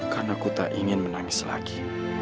karena ku tak ingin menangis lagi